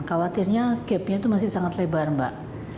khawatirnya gapnya itu masih sangat lebar mbak